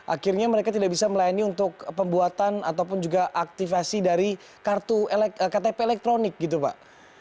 akhirnya mereka tidak bisa melayani untuk pembuatan ataupun juga aktifasi dari kartu ktp elektronik gitu pak